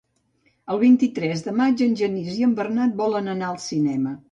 El vint-i-tres de maig en Genís i en Bernat volen anar al cinema.